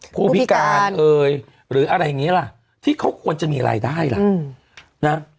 ผู้พิการเอ่ยหรืออะไรอย่างนี้ล่ะที่เขาควรจะมีรายได้ล่ะนะ